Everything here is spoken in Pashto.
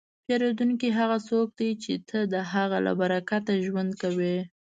پیرودونکی هغه څوک دی چې ته د هغه له برکته ژوند کوې.